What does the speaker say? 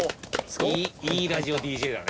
いいラジオＤＪだね。